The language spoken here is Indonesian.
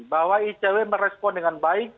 bahwa icw merespon dengan baik